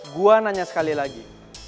gue nanya sekali lagi